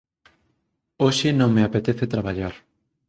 Hoxe non me apetece traballar